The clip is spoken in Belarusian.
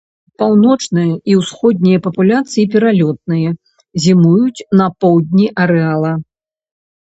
Паўночныя і ўсходнія папуляцыі пералётныя, зімуюць на поўдні арэала.